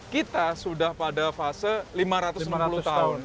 kita sudah pada fase lima ratus enam puluh tahun